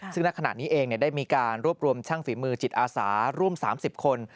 ซึ่งณขณะนี้เองได้มีการรวบรวมช่างฝีมือจิตอาสาร่วม๓๐คน